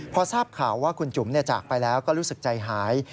พอทราบข่าวว่าคุณจุ๋มจากไปแล้วก็รู้สึกใจหาย